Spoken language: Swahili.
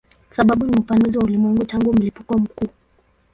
Sababu ni upanuzi wa ulimwengu tangu mlipuko mkuu.